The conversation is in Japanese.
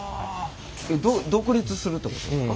独立するってことですか？